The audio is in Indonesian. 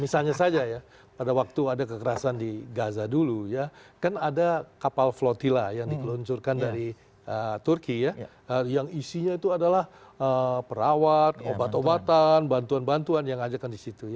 misalnya saja ya pada waktu ada kekerasan di gaza dulu ya kan ada kapal flotila yang dikeluncurkan dari turki ya yang isinya itu adalah perawat obat obatan bantuan bantuan yang ajakan di situ